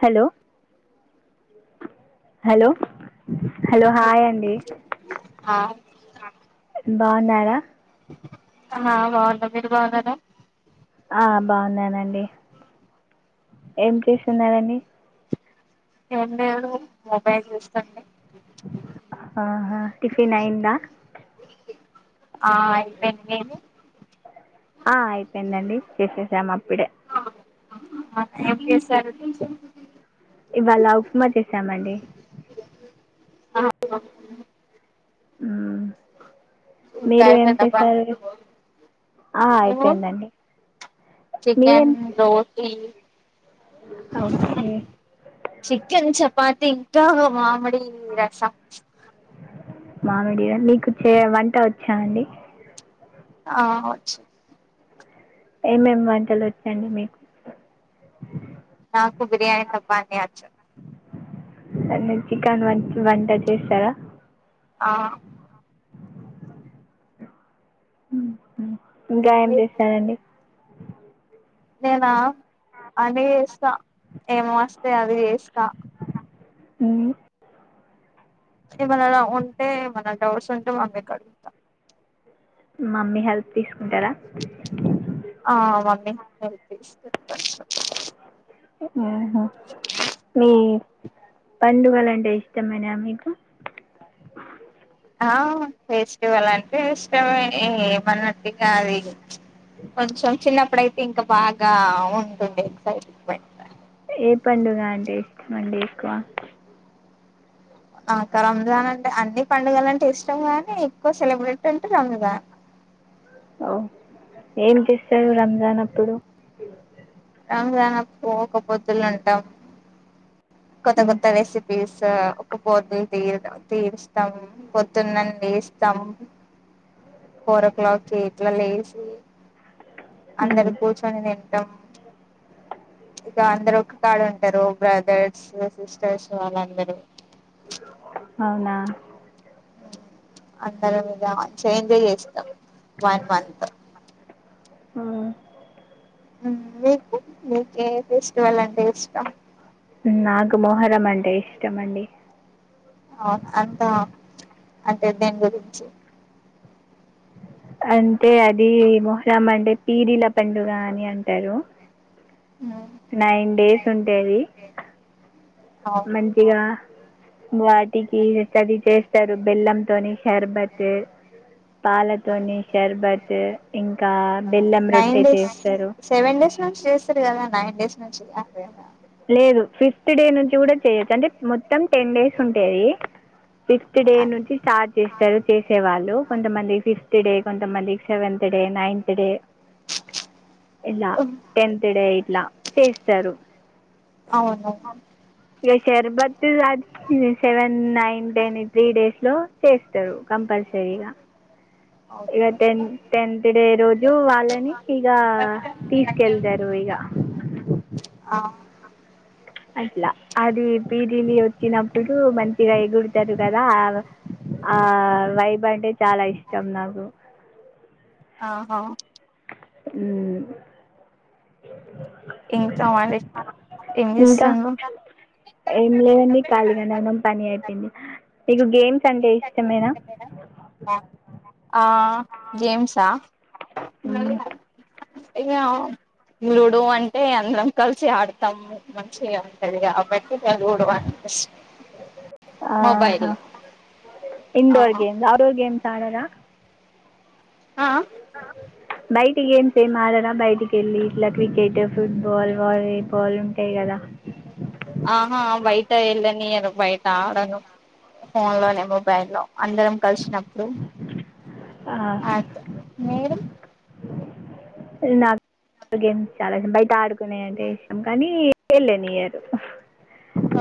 Hello hello hello hi అండి ఆ బాగున్నారా ఆ బాగుందా మీరు బాగున్నారా ఆ బాగున్నానండి ఏం చేస్తున్నాండి ఏం లేదు మొబైల్ చస్తుండి ఆా టిఫిన్ అయిందా ఆ అయితే న నేను ఆ అయిపోయిందండి చేసేసామా పడే స ఇవాళ ఉప్మా చేసామండి అ అ ఇంకా మీరు ఏం అయిపోయిందా పని చేశారు నువ్వు అయిపోయిందండి మీరేం చికెన్ రోటీ ఓకే చికెన్ చపాాతిీ ఇకా మామిడి రసం మామిడిగా నీకు చే వంట వచ్చాఅండి ఆ వచ్చు ఏమేమి వంటలు వచ్చండి మీకు ఒక్క బిర్యానీ తప్ప అన్ని వచ్చు అన్ని చికెన్ వ వంట చేస్తారా ఆ ఉ [unintelligible] ఇంకా ఏమ్ మీకు? చేస్తారండి నేనా అని చేస్తా ఎమ్ వస్తే అది చేస్తా ఉ ఏమనా ఉంటే ఏమనా డౌట్స్ ఉంటే మమ్మీ కి అడుగుతా మమ్మీ హెల్ప్ తీసుకుంటారా ఆ మమ్మీ హెల్ప్ తీసుకుంటా ఆహా మీ పండుగలు అంటే ఇష్టమేనా మీకు ఆ ఫెస్టివల్ అంటే ఇష్టమే ఏమన్నట్టు కాదు కొంచెం చిన్నప్పుడ ఇంకా బాగా ఉంటుంది ఎక్సైట్మెంట్ ఏ పండుగ అంటే ఇష్టమండి ఎక్కువ అకా రంజాన్ అంటే అన్ని పండుగల అంటే ఇష్టం గాని ఎక్కువ సెలబ్రెట్ అంటే రంజాన్ ఓ ఏం చేస్తారు రంజాన్ అప్పుడు రంజాన్ అప్పుడు ఒక్క పొద్దులు ఉంటాం కొత్త ఉమ్, కొత్త రెసిపీస్ ఒక్కపొద్దులు తీ తీరుస్తాం పొద్దున్నని లేస్తాం ఫోర్ ఓ క్లాక్ కి ఇట్లా లేసి ఉమ్, అందరు కూర్చొని తింటాం ఇక అందరు ఒక కాడ ఉంటారు బ్రదర్స్ సిస్టర్స్ వాళ్ళందరూ అవునా అందరం ఇగ చేంజ్ చేస్తాం వన్ మంత్ ఆ, మీకు మీకే ఫెస్టివల్ అంటే ఇష్టం నాకు మోహరం అంటే ఇష్టం అండి అవున అంతా అంటే దేని గురించి అంటే అది మొహ్రమ అంటే పీరిల పండుగ అని అంటారు ఉమ్ నైన్ డేస్ ఉంటేది అవును మంచిగా వాటికి చదివి చేస్తారు బెల్లంతోని షర్బత్ పాలతోని షర్బత్ ఇంకా బెల్లం నైన్ రొట్టె డేస్ చేస్తారు సెవెన్ డేస్ చేస్తారు కదా నైన్ డేస్ నుంచి కదా లేదు అ ఫిఫ్త్ డే నుంచి కూడా చెయొచ్చు అంటే మొత్తం టెన్ డేస్ ఉంటేది ఫిఫ్త్ డే నుంచి స్టార్ట్ చేస్తారు చేసేవాళ్ళు కొంతమంది ఫి ఫిఫ్త్డే కొంతమంది సెవెంత్ డే నైన్త్ డే ఇలా టెన్త్ డే ఇట్లా చేస్తారు అవునువును ఇక షర్బత్ [unintelligible] seven nine ten three days లో చేస్తారు కంపల్సరీగా ఇక ఓకె టెన్ టెన్త్ డే రోజు వాళ్ళని ఇక తీసుకెళ్తారు ఇక అ అట్లా అది [unintelligible] వచ్చినప్పుడు మంచిగా ఎగుడతారు కదా ఆ వైభ అంటే చాలా ఇష్టం నాకు ఆహ మ్మ్ ఇంకా మరి ఏం ఇంకా చేస్తుండ్రు ఏం లేదండి ఖాళీగానే ఉనం పని అయిపోంది నీకు గేమ్స్ అంటే ఇష్టమేనా ఆ గేమ్స్ ఆ మ్మ్. [unintelligible] ఇక లూడో అంటే అందరం కలిసి ఆడతాం మంచిగా ఉంటుంది కాబట్టి ఇక లూడో అంటే ఇష్ట ఆహా ఇండోర్ ఆహా గేమ్స్ ఆడోర్ గేమ్స్ ఆడరా ఆ బయటి గేమ్స్ ఏం ఆడారా బయటికి వెళ్ళి ఇట్లా క్రికెట్ ఫుట్బాల్ వాలీబాల్ ఉంటాయి కదా ఆహా బయట వెళ్ళనీరు బయట ఆడను ఫోన్ లోనే మొబైల్ లో అందరం కలిసినప్పుడు ఆహా. ఆతే మీరు నా గమ్ చాల బయట [unintelligible] అంటే విషయం కానీ వెళ్ళనిరు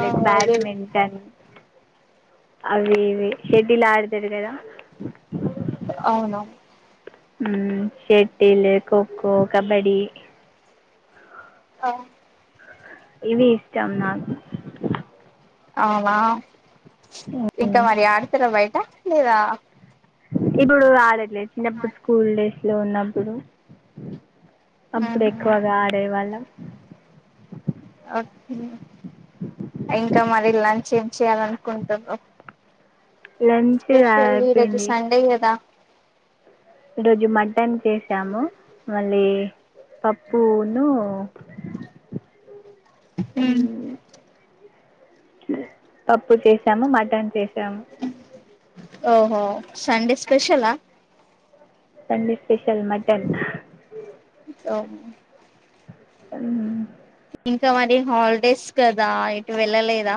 ఆ లైక్ అదే బ్యాడ్మింటన్ అవి ఇవి షెటిల్ ఆడతాది కదా అవును షెటిల్ కొఖో కబడి ఆ ఇవి ఇష్టం నాకు అవునా ఇంకా మరి ఆడతారా బయట లేదా ఇప్పుడు ఆడడ్ చి అప్పుడు స్కూల్ డేస్ లో ఉన్నప్పుడు అప్పుడు ఆహా ఎక్కువగా ఆడేవాళ్ళం ఓకే ఇంకా మరి లాంచ ఏం చేయాలనుకుంటురు లంచ్ అయిపోయింది సండే కదా ఈరోజు మటన్ చేసాము, మళ్ళీ పప్పును ఉహ్ పప్పు చేసాము మటన్ చేసాం. ఓహో సండే స్పెషల్ ఆ సండే స్పెషల్ మటన్ [unintelligible] ఉహ్ ఇంకా మరి హాలిడేస్ కదా ఇటు వెళ్ళలేదా?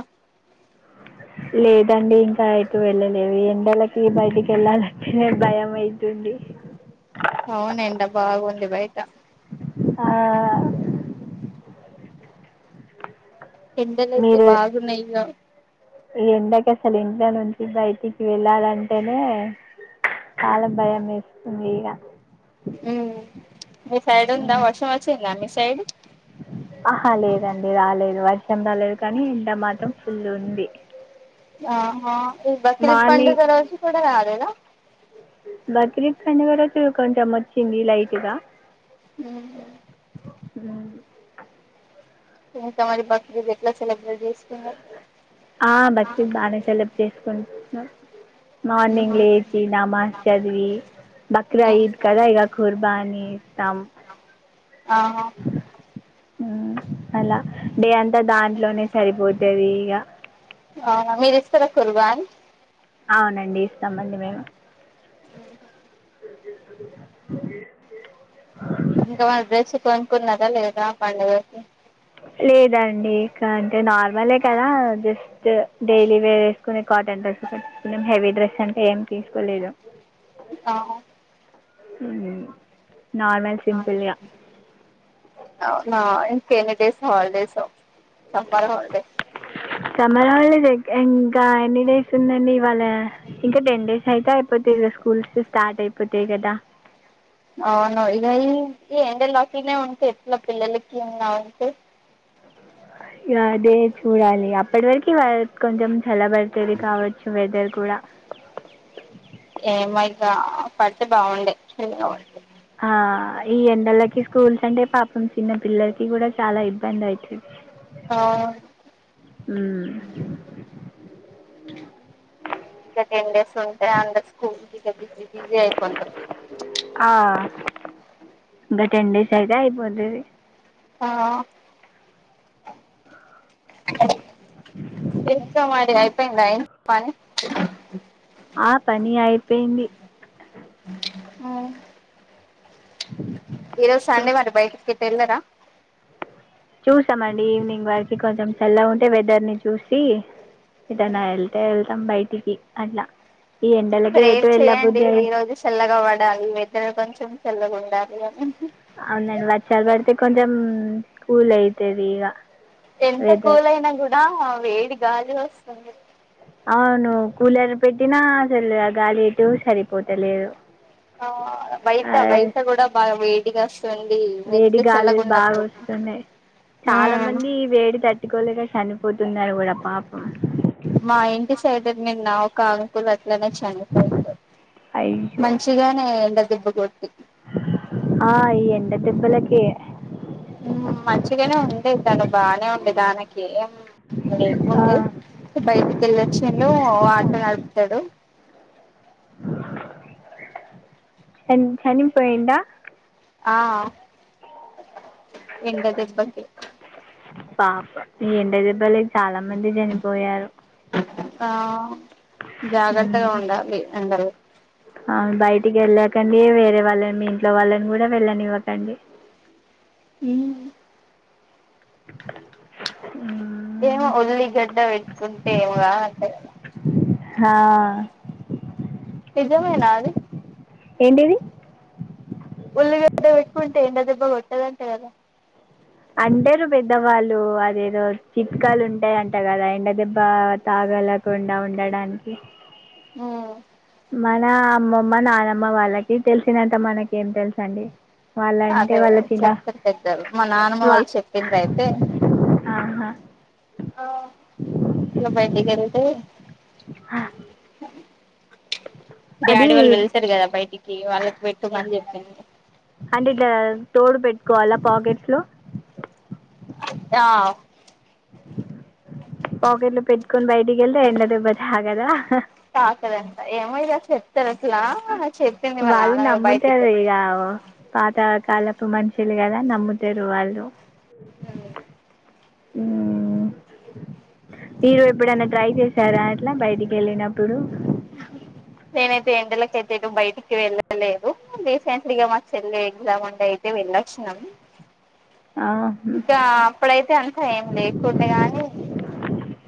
లేదండి ఇంకా ఎటు వెళ్ళలేదు, ఎండలకి బయటికి వెళ్ళాలంటే భయం అవుతుంది. అవున ఎండ బాగుంది బయట. ఆ ఎండలు అయితే మీరు బాగా ఉన్నాయ్ ఇగ ఈ ఎండకి అసలు ఇంట్లో నుంచి బయటికి వెళ్ళాలంటేనే, చాలా భయం వేస్తుంది ఇగ ఉహ్ మీ సైడ్ ఉందా, వషం వచ్చింద మీ సైడ్ ఆహ లేదండి రాలేదు వర్ [unintelligible] లేదు కానీ ఎండ మాత్రం ఫుల్ ఉంది. ఆహా ఈ బక్రీద్ పండుగ మార్నింగ్ రోజు కు నువ్వ అదేద బక్రీద్ పండుగ రోజు కొంచెం వచ్చింది లైట్గా. ఉహ్ ఉహ్ ఇంకా మరి బక్రీద్ ఎట్లా సెలెబ్రేట్ ఆ బక్రీద్ బానే సెలబట్ చేసుకుంటున్నా మార్నింగ్ ఉహు లేచి నమాజ్ చదివి బక్రా ఈద్ కదా ఇగ కుర్బానీ ఇస్తాం ఆ ఉహ్ అలా డే అంతా దాంట్లోనే సరిపోతది ఇగ తూర కుర్వాన్ అవునండి సంబంధమే ఇంకా డ్రెస్ కొనుకున్నారా లేదా పండుగకి లేదండి కాన్ నార్మల్ కదా జెస్ తె డైలీ వేర్ వేసుకుని కాటన్ డ్రెస్సెస్ వేసుకొని హెవీ డ్రెస్ అంటే ఏం తీసుకోలేదు. ఆహా హమ్ అవునా అ స్ హల్డేస్ సంబర్ హల్డే చమరా హ జ ఇంకా ఎన్ని డేస్ ఉందండి ఇవాళ ఇంకా టెన్ డేస్ సైతే అయిపోతాయి కదా స్కూల్స్ స్టార్ట్ అయిపోతాయి కదా అవును ఇక ఈ ఎ లాఫీనే ఉంట ఎట్లా పిల్లకి ఉన్నా ఉంట ఇ అదే చూడాలి అప్పటి వరకి కొంచెం చలబడితేది కావచ్చు వెదర్ కుడ ఏ మైగా పడితే బాగుండే చగా ఉడి ఆ ఈ ఎండలకి స్కూల్స్ అంటే పాపం చిన్న పిల్లలకి కూడా చాలా ఇబ్బంది అవుతుంది ఆ మ్మ్ ఇంకా టెన్ డేస్ ఉంటాయి అంద స్కూల్ బిజ బిజీ అయిపో ఇకా టెన్ డేస్ అయితే అయిపోతుది ఆ ఎ మరియిపో ఆ పని అయిపోయింది ఆ ఇరోజు సండే మరి బయటకి ఎలరా చూసామండి ఈవినింగ్ వరకి కొంచెం చల్ల ఉంటే వెదర్ ని చూసి ఇద నా వెళ్తే వెళ్దం బా అలా ప్రేర్ చేయడి ఈ రోజు చెల్లగా పడాలి ఇద్దర కొంచెం చల్ండాల అవునండి వర్చ్చాలు పడితే కొంచెం కూల్ అయితుది ఇక ఎంత కూలైన గుణ వేడి గాలి వస్తుంది అవును కూలర్ పెట్టినా అసలు గాలి ఎటు సరిపోతలేదు ఆ ఆ, వైసా వైసా కూడాడా బా ఇగాస్ వేడి గాలులు బాగా వస్తున్నాయి చాలా మంది వేడి తట్టుకోలే క చనిపోతున్నారు కూడా పాప మా ఇంటి సైడ్ నిన్న ఒకల్ ఇది అట్లనే చనిపోయిడు అయ్యో మంచిగానే ఎండ దిబ్బ కూడా ఆ ఈ ఎండ దేప్పలకి మంచిగనే ఉండే తను బానే ఉండే దానికి ఆ, లేకుండే బయటికి వెళ్ళొచ్చిండు వ నడుపుతడు ఎం చనిపోయిండా ఆ ఎండదేబ్బకి పాప ఇ ఎండ దెబ్బలే చాలా మంది చనిపోయారు ఆ జాగ్రత్తగా ఉమ్. ఉండాలి అందరు ఆ బయటికి వెళ్ళకండి వేరే వాళ్ళని ఇంట్లో వాళ్ళని కూడా వెళ్ళనివ్వకండి మ్ ఉ ఏమో ఉల్లిగడ్డ పేట్టుకుంటే ఏం కావంటా గదా హా నిజమేనా అది ఏంటిది ఉల్లిగడ్డ పెట్టుకుంటే ఎండ దెబ్బా కొట్టదంట కదా అంటరు పెద్దవాళ్ళు అదేదో చిట్కాలు ఉంటాయంట కదా ఎండ దెబ్బ తాగల కుండా ఉండడానికి ఉ మన అమ్మమ్మ నానమ్మ వాళ్ళకి తెలిసినంత మనకి ఏం తెలుసు అండి అదే చెప్తరు పెద్దలు మా నాన్నమ్మ వా వాళ్ళు చెప్పింర్రు అయితే ఆహా ఇట్లా బయటి వెలితే అది డాడీ వాళ్ళు వెళ్లి వస్తరు కదా బయటికి వాళ్ళకి పెట్టుమని చెప్పింది కోల పాకెట్స్ లో ఆ పాకెట్లు పెట్టుకొని బయటికి వెళ్తే ఎండ దెబ్బ తాకాదా తాకదంట ఏమో ఇగ చేప్ చెస్తారు అసలా చెప్పింది వాళ్ళ వాళ్ళు నాన్న బయటికి వెళ్తే కాలపు మనుషులు కదా నమ్ముతరు వాళ్ళు హలో ఉ మీరు ఎప్పుడన్నా ట్రై చేశారా ఇట్లా బయటికి వెళ్ళినప్పుడు నేనైతే ఎండలకయితే ఏటు బయటికి వెళ్ళలేదు రీసెంట్లీగా మా చెల్లి ఎగ్జామ్ ఉండే అయితే వెళ్ళొచ్చినం ఆహా. ఇంకా అప్పుడైతే అంత ఏం లేకుండే గానీ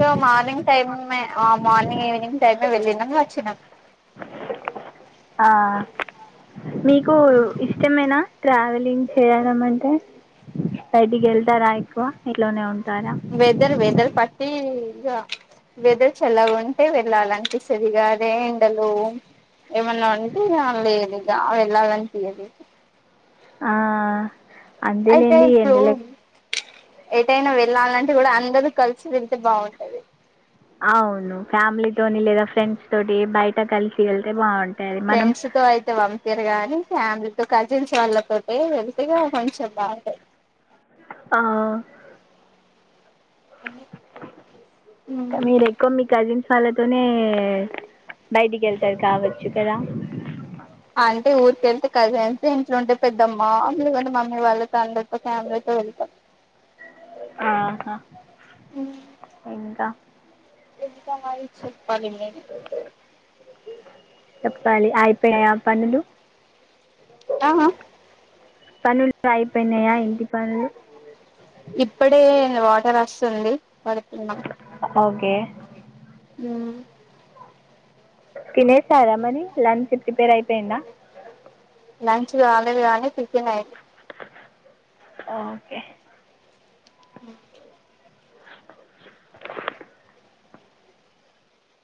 so morning time morning evening time వెళ్ళిన వచ్చినం ఆ మీకు ఇష్టమేనా ట్రావెలింగ్ చేయడం అంటే బయటికి వెళ్తారా ఎక్కువ ఇంట్లో నే ఉంట వెేదర్ వేదర్ పట్టి ఇ వెదర్ చల్లగా ఉంటే వెళ్ళాలినిపిస్తుందిగా అదే ఎండలు ఏమన్నా ఉంటే లేదు వెళ్లాలనిపియలేదు ఆ అంతే లేండి ఇప్పుడు ఎండల ఎటైనా వెళ్ళాలంటే కూడా అందరు కలిసి వెళ్తే బాగుంటది అవును ఫ్యామిలీ తోని లేదా ఫ్రెండ్స్ తోటి బయట కలిసి వెళ్తే బాగుంటా ఫ్రెండ్స్ తో అయితే పంపారు గాని ఫ్యామిలీ కజిన్స్ వాళ్ళతో వెతేగా కొంచెం బాగుంటాయి ఆ కా ఉమ్ మీ రకు మీ కజన వాళ్ళతోనే బయటికి వెళ్తారు కావచ్చు కదా అంటే ఊరికెళ్తే కజన్స్ ఇంట్లో ఉంటే పెద్ద మ్మా అమ్ వ మామ్మీ వాళ్ళ అంద ఫ్యామలీతో వెళ్త ఆహా ఇంకా ఇంకా మరి చెప్పాలి మీరే చెప్పాలి అయిపోయాయా పన్నలు ఆ ఆ పన్నలు ఇప్పుడే వాటర్ వస్త తుంది పడుకున్నా ఓకే ఉమ్ తినేసారామని లంచ్ ప్రిపేర్ అయిపోయింద లంచ్ కాలేదు కాగానీ చటిఫెన్ అయి ఓకే ఓ